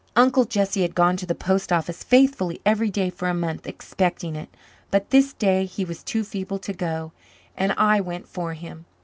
Uncle Jesse had gone to the post office faithfully every day for a month, expecting it, but this day he was too feeble to go and I went for him.